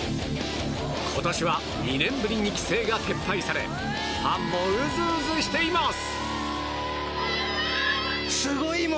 今年は２年ぶりに規制が撤廃されファンも、うずうずしています。